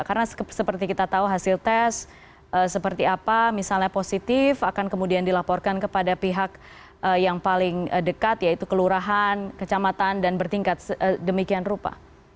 karena seperti kita tahu hasil tes seperti apa misalnya positif akan kemudian dilaporkan kepada pihak yang paling dekat yaitu kelurahan kecamatan dan bertingkat demikian rupa